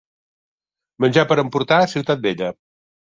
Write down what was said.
Menjar per emportar a Ciutat Vella.